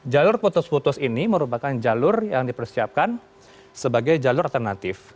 jalur putus putus ini merupakan jalur yang dipersiapkan sebagai jalur alternatif